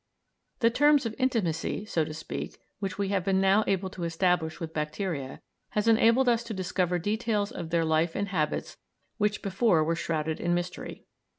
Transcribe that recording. The terms of intimacy, so to speak, which we have been now able to establish with bacteria has enabled us to discover details of their life and habits which before were shrouded in mystery.